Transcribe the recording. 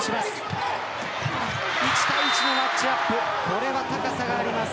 これは高さがあります。